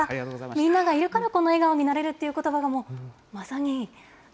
みんながいるからこの笑顔になれるっていうことばがもう、まさに。